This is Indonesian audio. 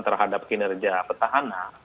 terhadap kinerja petahana